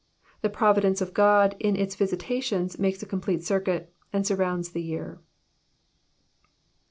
The providence of God in its Tisitations makes a complete circuit, and surrounds the year.